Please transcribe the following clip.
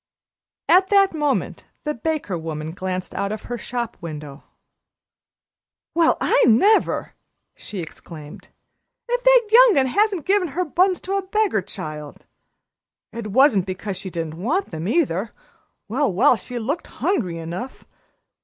At that moment the baker woman glanced out of her shop window. "Well, I never!" she exclaimed. "If that young'un hasn't given her buns to a beggar child! It wasn't because she didn't want them, either well, well, she looked hungry enough.